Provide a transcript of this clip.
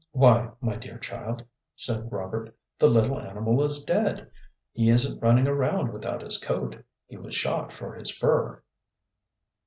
"Why, my dear child," said Robert, "the little animal is dead. He isn't running around without his coat. He was shot for his fur."